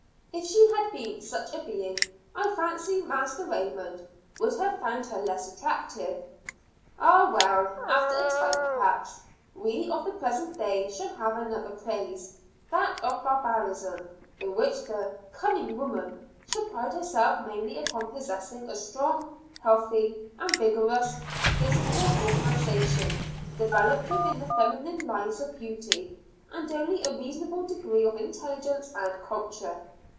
If she had been such a being, I fancy Master Raymond would have found her less attractive. Ah, well, after a time perhaps, we of the present day shall have another craze that of barbarism in which the "coming woman" shall pride herself mainly upon possessing a strong, healthy and vigorous physical organization, developed within the feminine lines of beauty, and only a reasonable degree of intelligence and "culture."